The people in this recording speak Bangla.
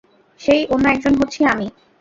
সেই অন্য একজন হচ্ছি আমি।